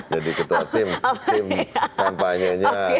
jadi ketua tim kampanyenya